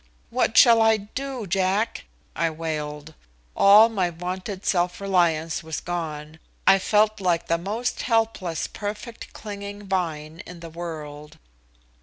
"What shall I do, Jack?" I wailed. All my vaunted self reliance was gone. I felt like the most helpless perfect clinging vine in the world.